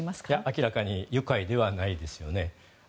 明らかに愉快ではないですよね。